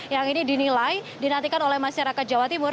yang ini dinilai dinantikan oleh masyarakat jawa timur